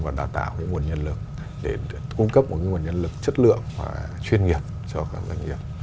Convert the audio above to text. và đào tạo cái nguồn nhân lực để cung cấp một nguồn nhân lực chất lượng và chuyên nghiệp cho các doanh nghiệp